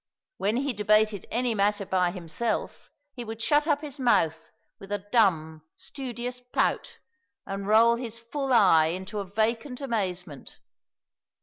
"When he debated any matter by himself he would shut up his mouth with a dumb, studious pout, and roll his full eye into a vacant amazement."